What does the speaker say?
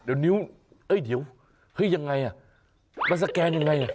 เดี๋ยวนิ้วเอ๊ยเดี๋ยวมันสแกนยังไง